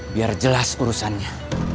biar jelas urusannya